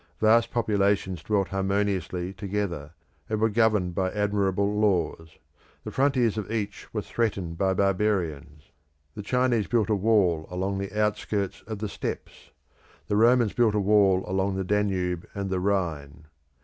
Vast populations dwelt harmoniously together, and were governed by admirable laws. The frontiers of each were threatened by barbarians. The Chinese built a wall along the outskirts of the steppes; the Romans built a wall along the Danube and the Rhine.